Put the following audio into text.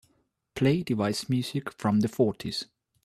Play Device music from the fourties.